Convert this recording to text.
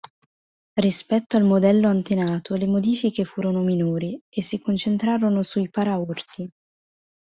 Rispetto al modello antenato, le modifiche furono minori e si concentrarono sui paraurti.